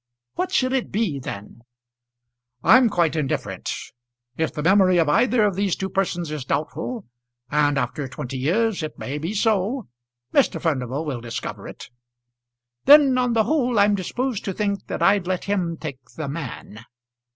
"Which shall it be then?" "I'm quite indifferent. If the memory of either of these two persons is doubtful, and after twenty years it may be so, Mr. Furnival will discover it." "Then on the whole I'm disposed to think that I'd let him take the man."